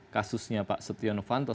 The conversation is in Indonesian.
kasusnya pak setia novantos